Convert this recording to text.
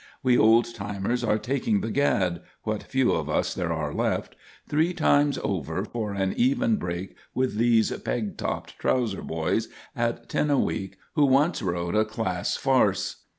We old timers are taking the gad what few of us there are left three times over for an even break with these peg topped trouser boys at ten a week who once wrote a class farce.